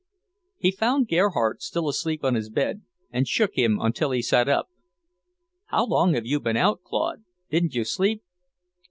He found Gerhardt still asleep on his bed, and shook him until he sat up. "How long have you been out, Claude? Didn't you sleep?"